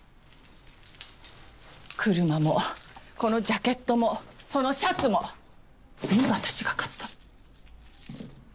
車もこのジャケットもそのシャツも全部私が買った。